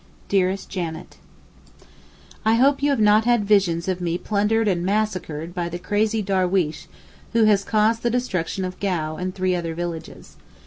DEAREST JANET, I hope you have not had visions of me plundered and massacred by the crazy darweesh who has caused the destruction of Gau and three other villages.